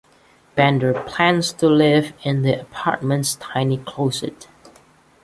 Bender plans to live in the apartment's tiny closet.